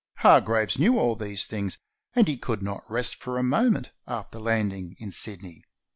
Hargraves knew all these things, and he could not rest for a moment after landing in Sydney.